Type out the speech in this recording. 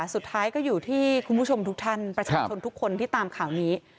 สุดท้ายก็อยู่ที่คุณผู้ชมทุกท่านประชาชนทุกคนที่ตามข่าวนี้